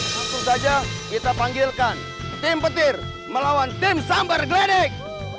langsung saja kita panggilkan tim petir melawan tim sambar gledek